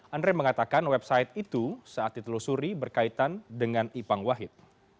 andre mengatakan website itu saat ditelusuri berkaitan dengan ipang wahid